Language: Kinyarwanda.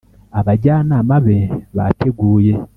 Abajyanama be bateguye